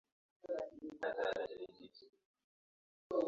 pole sana na huchipua kwa kufuata mizizi